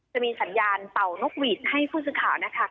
จะมีสัญญาณเป่านกหวีดให้ผู้สื่อข่าวนะคะ